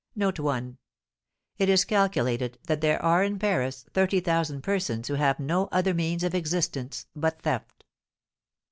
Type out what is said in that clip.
It is calculated that there are in Paris 30,000 persons who have no other means of existence but theft.